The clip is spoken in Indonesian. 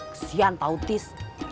kesian tau tis